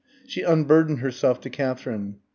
She unburdened herself to Katherine.